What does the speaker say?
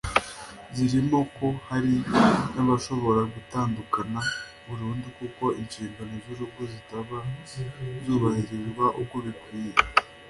zirimo ko hari n’abashobora gutandukana burundu kuko inshingano z’urugo zitaba zubahirizwa uko bikwiye